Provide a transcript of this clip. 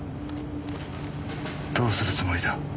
どうするつもりだ？